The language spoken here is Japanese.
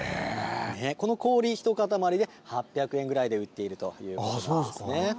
この氷ひとかたまりで、８００円ぐらいで売っているということなんですね。